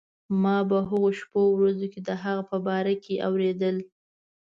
ما په هغو شپو ورځو کې د هغه په باره کې اورېدل.